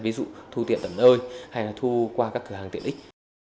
ví dụ thu tiện tầm nơi hay là thu qua các cửa hàng tiện ích